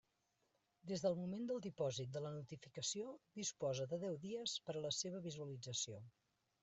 Des del moment del dipòsit de la notificació disposa de deu dies per a la seva visualització.